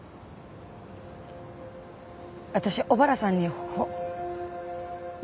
私小原さんにほ。